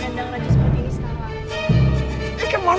raju seperti ini sekarang